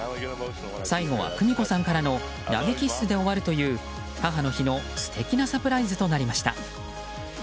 最後は久美子さんからの投げキッスで終わるという母の日の素敵なサプライズとなりました。